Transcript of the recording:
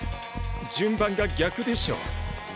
順番が逆でしょ？